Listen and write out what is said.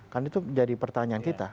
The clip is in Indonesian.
karena itu jadi pertanyaan kita